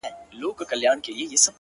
o څوک چي له گلاب سره ياري کوي؛